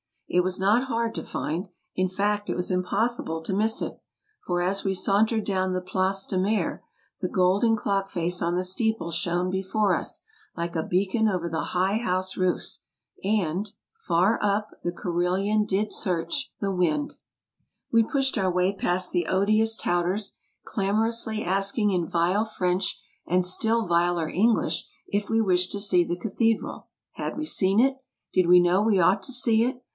It was not hard to find ; in fact, it was impossible to miss it, for, as we saun tered down the Place de Meir, the golden clock face on the steeple shone before us like a beacon over the high house roofs, and " Far up, the carillon did search The wind." EUROPE 229 We pushed our way past the odious touters, clamorously asking in vile French and still viler English if we wished to see the cathedral ? had we seen it ? did we know we ought to see it